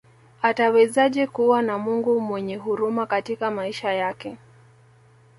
Atawezaje kuwa na Mungu mwenyehuruma katika maisha yake